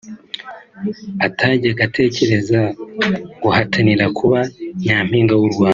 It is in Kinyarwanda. atajyaga atekereza guhatanira kuba nyampinga w’u Rwanda